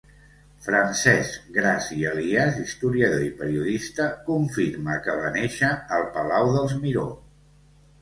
Francesc Gras i Elies, historiador i periodista, confirma que va néixer al Palau dels Miró.